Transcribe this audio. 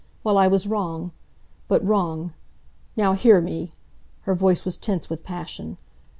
Well, I was wrong. But wrong. Now hear me!" Her voice was tense with passion.